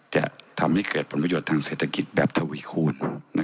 จะทำให้เกิดผลประโยชน์ทางเศรษฐกิจแบบทวีคูณ